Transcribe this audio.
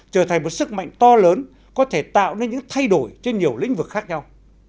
trở thành một sức mạnh to lớn có thể tạo nên những thay đổi trên nhiều lĩnh vực khác nhau